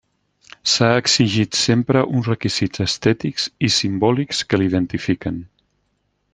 S'ha exigit sempre uns requisits estètics i simbòlics que l'identifiquen.